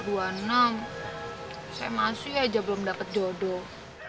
saya masih aja belum dapat jodoh